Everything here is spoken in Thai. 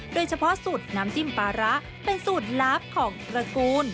โดยเฉพาะสูตรน้ำจิ้มปลาร้าเป็นสูตรลับของตระกูล